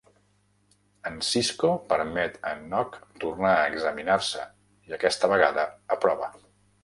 En Sisko permet a en Nog tornar a examinar-se i aquesta vegada aprova.